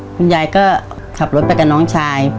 คุณยายก็ขับรถไปกับน้องชาย